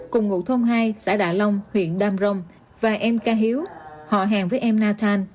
cùng ngụ thôn hai xã đạ long huyện đam rồng và em ca hiếu họ hàng với em nathan